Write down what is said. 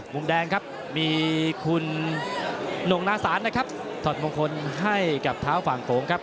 มุมแดงครับมีคุณหน่งนาศาลนะครับถอดมงคลให้กับเท้าฝั่งโขงครับ